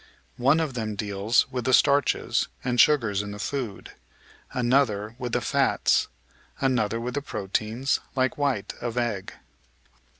One of them deals with the starches and sugars in the food, another with the fats, another with the proteins, like white of egg.